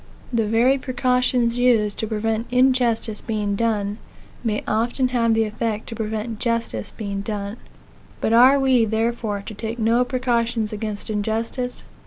The very precautions used to prevent injustice being done, may often have the effect to prevent justice being done. Bu are we, therefore, to take no precautions against injustice?